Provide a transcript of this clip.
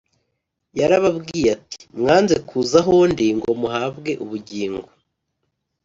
Yarababwiye ati, “Mwanze kuza aho ndi ngo muhabwe ubugingo.